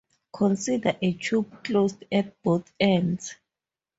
Consider a tube closed at both ends.